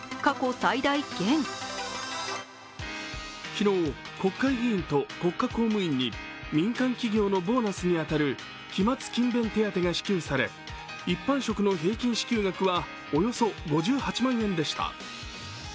昨日、国会議員と国家公務員に民間企業のボーナスに当たる期末・勤勉手当が支給され一般職の平均支給額は、およそ５８万円でした。